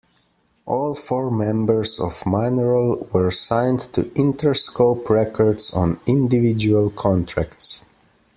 All four members of Mineral were signed to Interscope Records on individual contracts.